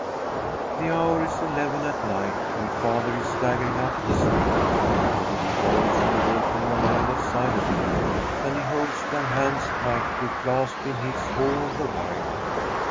The hour is eleven at night, and father is staggering up the street. The little boys are walking on either side of him, and he holds their hands tightly clasped in his all the while.